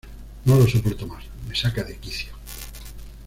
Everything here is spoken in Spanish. No lo soporto más. Me saca de quicio